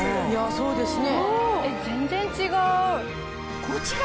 そうですね。